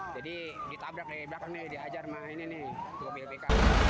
jadi ditabrak dari belakang nih diajar mah ini nih mobil bk